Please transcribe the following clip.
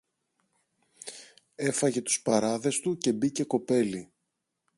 Έφαγε τους παράδες του και μπήκε κοπέλι